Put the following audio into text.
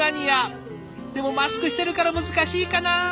でもマスクしてるから難しいかな？